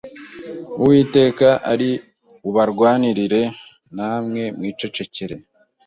Uwiteka ari bubarwanirire, namwe mwicecekere